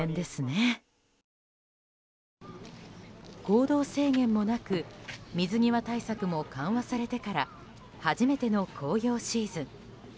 行動制限もなく水際対策も緩和されてから初めての紅葉シーズン。